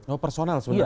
oh personal sebenarnya ya